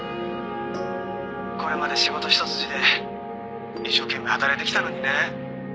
「これまで仕事一筋で一生懸命働いてきたのにね」